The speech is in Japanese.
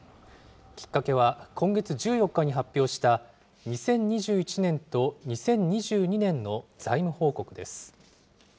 きっかけは、今月１４日に発表した２０２１年と２０２２年の財務報告です。